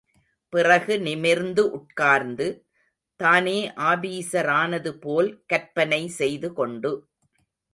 பிறகு நிமிர்ந்து உட்கார்ந்து, தானே ஆபீஸரானதுபோல் கற்பனை செய்துகொண்டு.